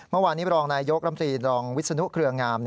เมื่อวานนี้บรองนายยกรัมตรีรองวิศนุเครืองาม